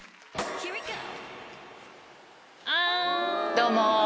どうも！